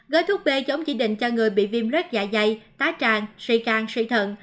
gói thuốc b giống chỉ định cho người bị viêm rớt dạ dày tá tràn sỉ can sỉ thận